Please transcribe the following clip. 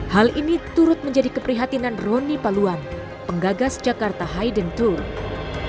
hal ini turut menjadi keprihatinan roni paluan penggagas jakarta hidden tour